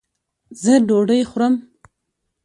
ځه ډوډي خورم